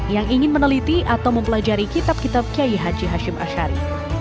yang ingin meneliti atau mempelajari kitab kitab kiai haji hashim ashari